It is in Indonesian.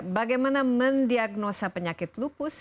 bagaimana mendiagnosa penyakit lupus